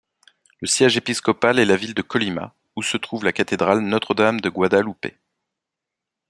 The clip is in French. Le siège épiscopal est la ville de Colima, où se trouve la cathédrale Notre-Dame-de-Guadalupe.